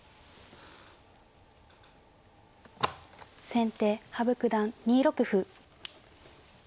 先手羽生九段２六歩。